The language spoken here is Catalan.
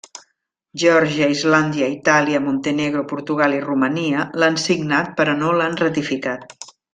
Geòrgia, Islàndia, Itàlia, Montenegro, Portugal i Romania l'han signat però no l'han ratificat.